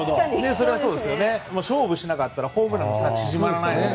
勝負しなかったらホームランの差が縮まらないので。